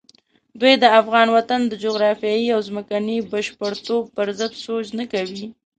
دوی د افغان وطن د جغرافیې او ځمکني بشپړتوب پرضد سوچ نه کوي.